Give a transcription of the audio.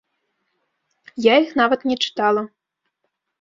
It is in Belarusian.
Я іх нават не чытала.